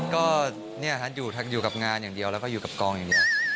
ก็อยู่กับงานอย่างเดียวแล้วก็อยู่กับกองอย่างเดียว